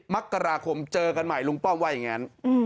มกราคมเจอกันใหม่ลุงป้อมว่าอย่างนั้น